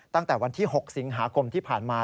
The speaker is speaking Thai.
ตั้งแต่วันที่๖สิงหาคมที่ผ่านมา